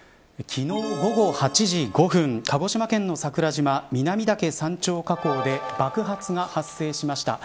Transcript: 昨日午後８時５分鹿児島県の桜島、南岳山頂火口で爆発が発生しました。